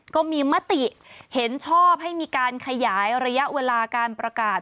ก็มีมติเห็นชอบให้มีการขยายระยะเวลาการประกาศ